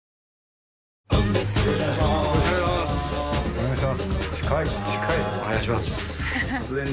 お願いします。